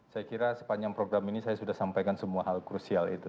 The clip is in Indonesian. saya kira sepanjang program ini saya sudah sampaikan semua hal krusial itu